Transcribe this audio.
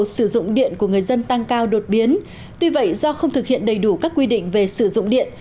sử dụng điện của người dân tăng cao đột biến tuy vậy do không thực hiện đầy đủ các quy định về sử dụng điện